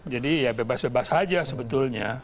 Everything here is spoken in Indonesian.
jadi ya bebas bebas aja sebetulnya